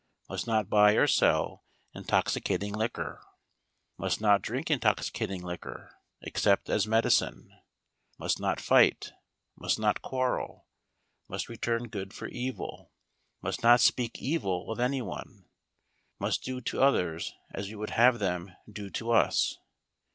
Must not buy or sell intoxicating liquor. Must not drink intoxicating liquor, except as medicine. Must not fight. Must not quarrel. Must return good for evil. Must not speak evil of any one. Must do to others as we would have them do to us.